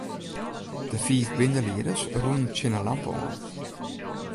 De fiif bindelieders rûnen tsjin 'e lampe oan.